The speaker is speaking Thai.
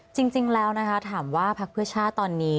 จริงแล้วนะคะถามว่าพักเพื่อชาติตอนนี้